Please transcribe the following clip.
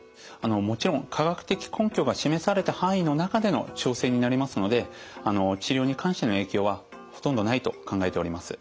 もちろん科学的根拠が示された範囲の中での調整になりますので治療に関しての影響はほとんどないと考えております。